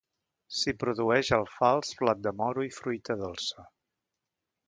S'hi produeix alfals, blat de moro i fruita dolça.